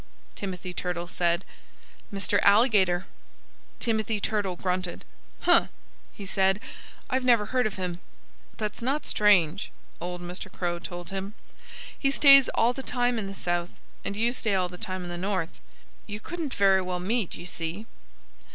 Timothy Turtle said. "Mr. Alligator!" Timothy Turtle grunted. "Humph!" he said. "I've never heard of him." "That's not strange," old Mr. Crow told him. "He stays all the time in the South and you stay all the time in the North. You couldn't very well meet, you see."